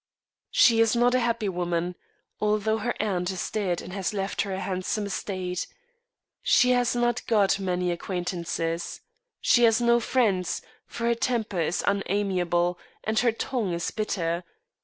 She is not a happy woman, although her aunt is dead and has left her a handsome estate. She has not got many acquaintances. She has no friends; for her temper is unamiable, and her tongue is bitter.